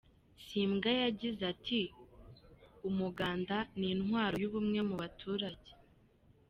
Simbwa yagize ati “Umuganda ni intwaro y’ubumwe mu baturage.